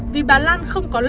vì bà lan không có